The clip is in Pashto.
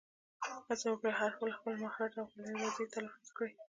هڅه وکړئ، هر حرف له خپل مخرج او کلیمه واضیح تلفظ کړئ!